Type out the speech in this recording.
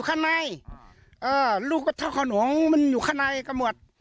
อ่าลูกก็เถอะขนวงมันอยู่ข้างในกันหมด